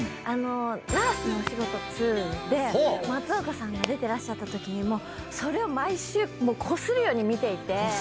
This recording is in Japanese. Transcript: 『ナースのお仕事２』で松岡さんが出てらっしゃったときにそれを毎週こするように見ていて。